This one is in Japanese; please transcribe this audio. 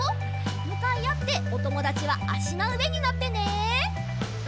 むかいあっておともだちはあしのうえにのってね。